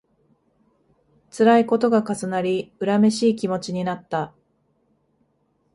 つらいことが重なり、恨めしい気持ちになった